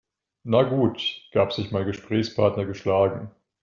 Na gut, gab sich mein Gesprächspartner geschlagen.